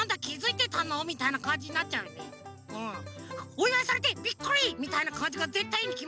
「おいわいされてビックリ！」みたいなかんじがぜったいいいにきまってる。